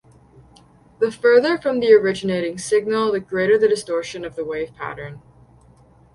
The further from the originating signal, the greater the distortion of the wave pattern.